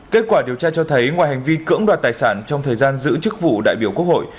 kết quả điều tra cho thấy ngoài hành vi cưỡng đoạt tài sản trong thời gian giữ chức vụ đại biểu quốc hội